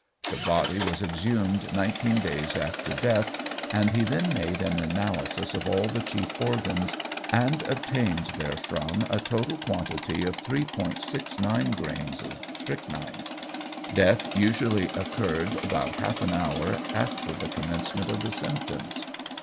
The body was exhumed nineteen days after death, and he then made an analysis of all the chief organs, and obtained therefrom a total quantity of 3·69 grains of strychnine. Death usually occurred about half an hour after the commencement of the symptoms.